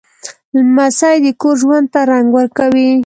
لمسی د کور ژوند ته رنګ ورکوي.